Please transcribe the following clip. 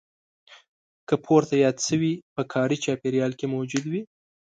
که پورته یاد شوي په کاري چاپېریال کې موجود وي.